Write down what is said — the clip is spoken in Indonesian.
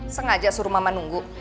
sengaja suruh mama nunggu